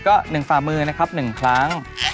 ก็หนึ่งฟามือนะครับหนึ่งคล้าง